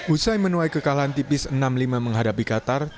usai menuai kekalahan tipis enam lima menghadapi qatar